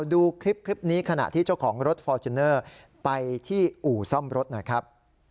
ดูคลิปนี้ขณะที่เจ้าของรถฟอร์จูเนอร์ไปที่อู่ซ่อมรถหน่อยครับ